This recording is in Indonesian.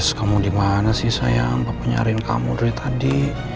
yes kamu dimana sih sayang papa nyariin kamu dari tadi